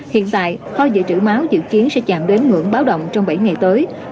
hiện tại kho dự trữ máu dự kiến sẽ chạm đến ngưỡng báo động trong bảy ngày tới